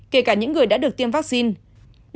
kể cả những người đã được tiêm vaccine